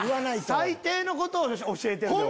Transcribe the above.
最低のことを教えてるよ。